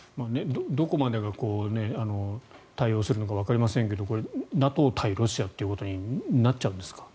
どこまで対応するのかわかりませんがＮＡＴＯ対ロシアということになっちゃうんですか。